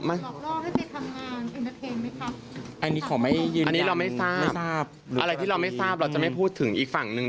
อันนี้เราไม่ทราบอะไรที่เราไม่ทราบเราจะไม่พูดถึงอีกฝั่งหนึ่ง